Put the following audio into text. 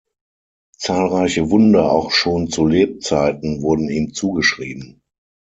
Zahlreiche Wunder, auch schon zu Lebzeiten, wurden ihm zugeschrieben.